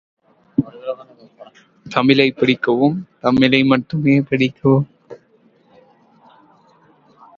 He was the first Australian-born Governor of New South Wales.